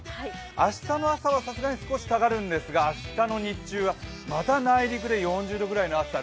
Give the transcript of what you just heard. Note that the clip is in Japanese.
明日の朝はさすがに少し下がるんですが明日の日中はまた内陸で４０度ぐらいの暑さ。